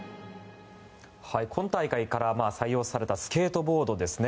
今大会から採用されたスケートボードですね。